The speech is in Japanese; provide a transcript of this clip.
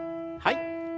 はい。